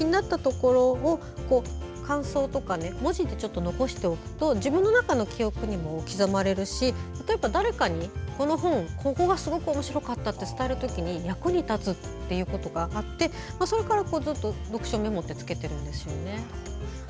だから自分が気になったところを感想とか文字に残しておくと自分の中の記憶にも刻まれるし誰かにこの本ここがすごくおもしろかったって伝えるときに役に立つっていうことがあってそれからずっと読書メモってつけてるんです。